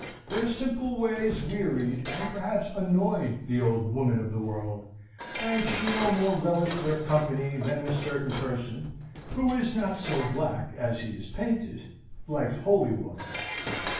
Their simple ways wearied, and perhaps annoyed, the old woman of the world, and she no more relished their company than a certain person (who is not so black as he is painted) likes holy water.